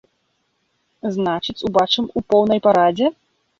Значыць, убачым у поўнай парадзе?